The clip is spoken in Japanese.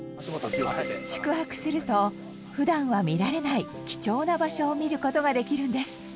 宿泊すると普段は見られない貴重な場所を見る事ができるんです。